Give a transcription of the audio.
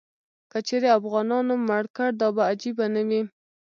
که چیرې افغانانو مړ کړ، دا به عجیبه نه وي.